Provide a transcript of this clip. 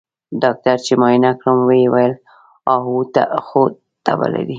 ډاکتر چې معاينه کړم ويې ويل اوهو ته خو تبه لرې.